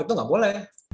itu nggak boleh